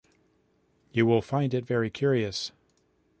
You will find it very curious.